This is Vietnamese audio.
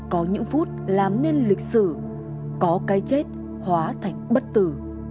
có những phút làm nên lịch sử có cái chết hóa thạch bất tử